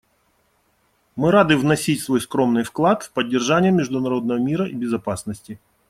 Мы рады вносить свой скромный вклад в поддержание международного мира и безопасности.